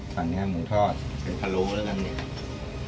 ตอนนี้หมูทอดเป็นพะโล้แล้วกันเนี่ย